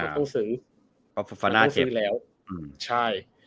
ต้องซื้อต้องซื้อแล้วใช่